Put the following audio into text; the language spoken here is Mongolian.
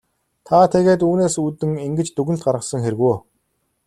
Та тэгээд үүнээс үүдэн ингэж дүгнэлт гаргасан хэрэг үү?